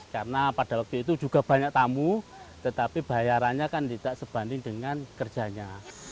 karena pada waktu itu juga banyak tamu tetapi bayarannya kan tidak sebanding dengan kerjanya